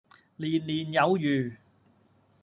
年年有餘